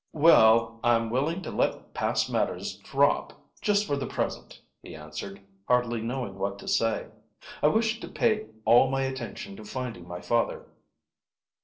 "Well, I'm willing to let past matters, drop just for the present," he answered, hardly knowing what to say. "I wish to pay all my attention to finding my father."